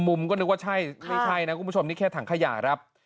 มุมก็นึกว่าใช่ไม่ใช่นะคุณผู้ชมนี่แค่ถังขยะครับ